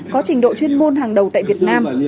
có trình độ chuyên môn hàng đầu tại việt nam